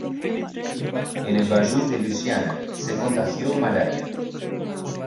En el bayou de Luisiana, se contagió malaria.